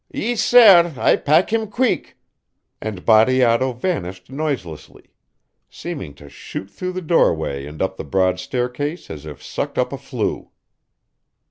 "Ees, sair! I pack him queeck," and Bateato vanished noiselessly, seemingly to shoot through the doorway and up the broad staircase as if sucked up a flue.